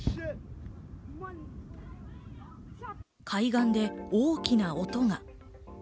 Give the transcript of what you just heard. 海岸で大きな音が。